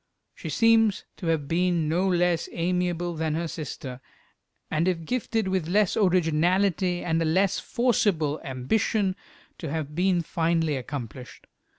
She seems to have been no less amiable than her sister, and if gifted with less originality and a less forcible ambition, to have been finely accomplished.